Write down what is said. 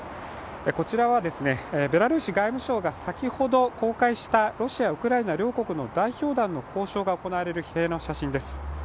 こちらはベラルーシ外務省が先ほど公開したロシア・ウクライナ両国の代表団の交渉が行われる部屋の写真です。